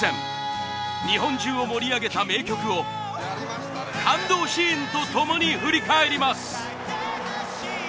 日本中を盛り上げた名曲を感動シーンと共に振り返ります。